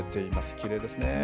きれいですね。